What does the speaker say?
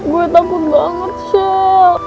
gua takut banget sel